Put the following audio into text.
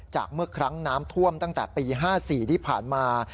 เมื่อครั้งน้ำท่วมตั้งแต่ปี๕๔ที่ผ่านมา